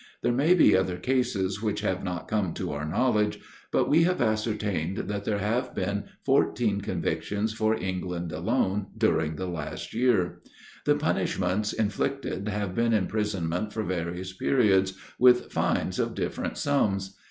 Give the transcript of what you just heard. There may be other cases which have not come to our knowledge; but we have ascertained that there have been 14 convictions for England alone, during the last year. The punishments inflicted have been imprisonment for various periods, with fines of different sums.